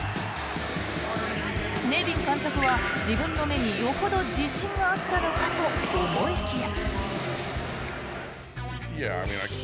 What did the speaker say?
ネビン監督は自分の目によほど自信があったのかと思いきや。